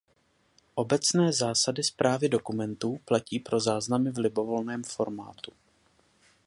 Obecné zásady správy dokumentů platí pro záznamy v libovolném formátu.